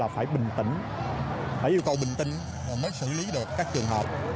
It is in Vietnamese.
phải bình tĩnh phải yêu cầu bình tĩnh mới xử lý được các trường hợp